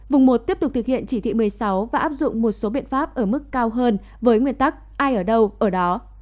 vùng một tiếp tục thực hiện chỉ thị một mươi sáu và áp dụng một số biện pháp ở mức cao hơn với nguyên tắc ai ở đâu ở đó